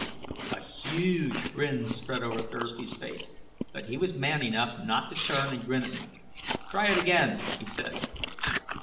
A huge grin spread over Thursby's face, but he was man enough not to turn and grin at me. "Try it again," he said.